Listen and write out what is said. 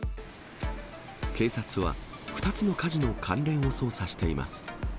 警察は２つの火事の関連を捜査しています。